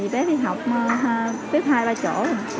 bé đi học tiếp hai ba chỗ